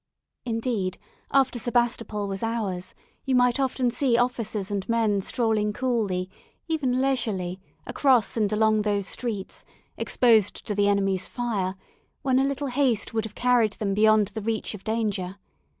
Indeed, after Sebastopol was ours, you might often see officers and men strolling coolly, even leisurely, across and along those streets, exposed to the enemy's fire, when a little haste would have carried them beyond the reach of danger.